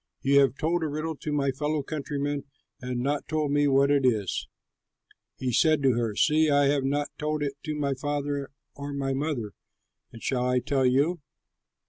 You have told a riddle to my fellow countrymen and not told me what it is." He said to her, "See, I have not told it to my father or my mother, and shall I tell you?"